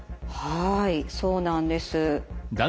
はいそうなんです。